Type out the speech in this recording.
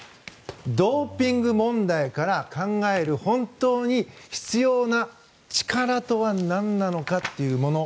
ドーピング問題から考える本当に必要な力とはなんなのかというもの。